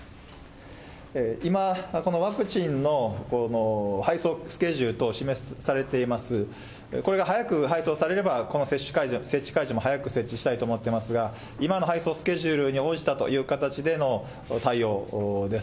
今、このワクチンの配送スケジュール等を示されています、これが早く配送されれば、この接種会場も早く設置したいと思っていますが、今の配送スケジュールに応じたという形での対応です。